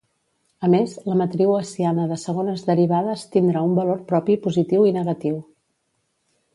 A més, la matriu hessiana de segones derivades tindrà un valor propi positiu i negatiu.